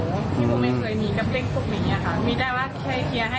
พี่หมูไม่เคยมีกับเล็กพวกมีอย่างเงี้ยค่ะมีได้ว่าให้เคลียร์ให้กับรุ่นพี่รุ่นใหญ่